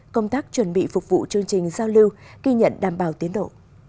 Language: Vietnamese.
công tác chuẩn bị phục vụ chương trình giao lưu ghi nhận đảm bảo tiến độ